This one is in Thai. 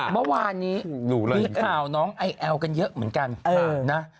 เมื่อวานนี้มีข่าวน้องไอแอลกันเยอะเหมือนกันนะ